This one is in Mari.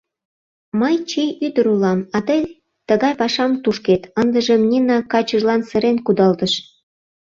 — Мый чий ӱдыр улам, а тый тыгай пашам тушкет! — ындыжым Нина качыжлан сырен кудалтыш.